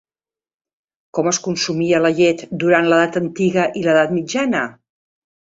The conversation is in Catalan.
Com es consumia la llet durant l'edat antiga i l'edat mitjana?